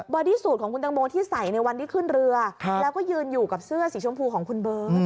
อดี้สูตรของคุณตังโมที่ใส่ในวันที่ขึ้นเรือแล้วก็ยืนอยู่กับเสื้อสีชมพูของคุณเบิร์ต